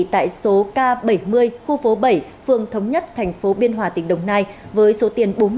tại số k bảy mươi khu phố bảy phường thống nhất thành phố biên hòa tỉnh đồng nai với số tiền